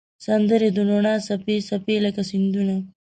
سندرې د روڼا څپې، څپې لکه سیندونه